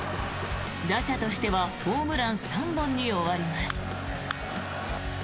打者としてはホームラン３本に終わります。